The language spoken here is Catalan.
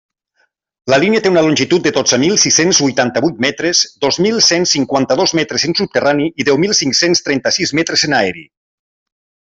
La línia té una longitud de dotze mil sis-cents huitanta-huit metres, dos mil cent cinquanta-dos metres en subterrani i deu mil cinc-cents trenta-sis metres en aeri.